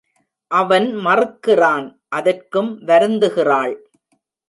அவன் மறுக்கிறான், அதற்கும் வருந்துகிறாள்.